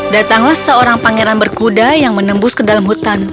datanglah seorang pangeran berkuda yang menembus ke dalam hutan